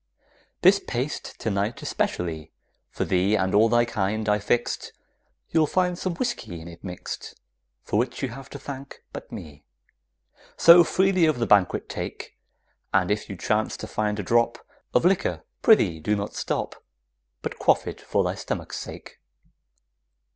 This paste to night especially For thee and all thy kind I fixed, You'll find some whiskey in it mixed, For which you have to thank but me. So freely of the banquet take, And if you chance to find a drop Of liquor, prithee do not stop But quaff it for thy stomach's sake.